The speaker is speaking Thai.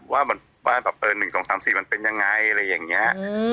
ว่า๑๒๓๔มันเป็นยังไง